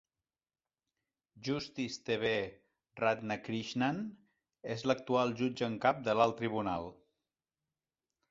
Justice T B Radhakrishnan és l'actual jutge en cap de l'Alt Tribunal.